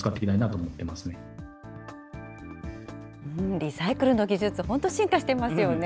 リサイクルの技術、本当、進化してますよね。